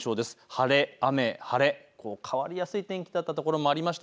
晴れ、雨、晴れ、変わりやすい天気だった所もあります。